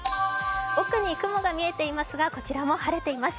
奥に雲が見えていますがこちらも晴れています。